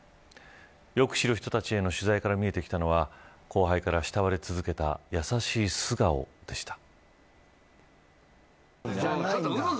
よく知る人たちへの取材から見えてきたのは後輩から慕われ続けたやさしい素顔でした。